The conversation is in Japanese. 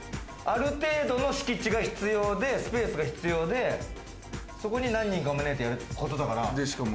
ある程度の敷地が必要で、そこに何人か招いてやることだから。